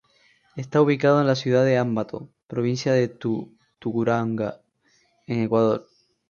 Está ubicado en la ciudad de Ambato, provincia de Tungurahua, en Ecuador.